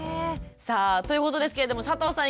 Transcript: さあということですけれども佐藤さん